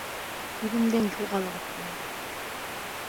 Күҙемдән юғалығыҙ, тием!